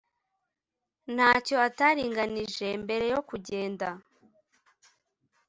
Ntacyo ataringanije mbere yokugenda